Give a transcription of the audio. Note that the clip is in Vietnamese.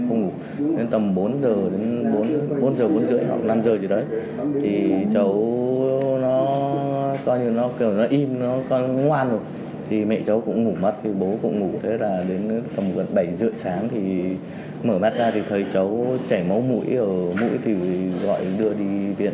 không ngủ đến tầm bốn giờ đến bốn bốn giờ cuốn rưỡi hoặc năm giờ chỉ đấy